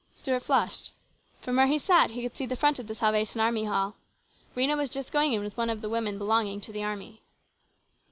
Stuart flushed. From where he sat he could see the front of the Salvation Army Hall. Rhena was just going in with one of the women belonging to the army.